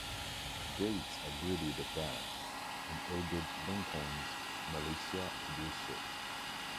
Gates agreed with the plan, and ordered Lincoln's militia to do so.